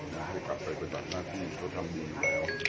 ให้กลับไปกับหน้าที่เขาทำดีแล้ว